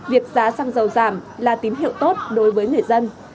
việc giá xăng dầu giảm là tín hiệu tốt đối với người dân